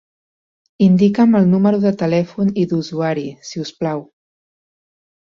Indica'm el número de telèfon i d'usuari, si us plau.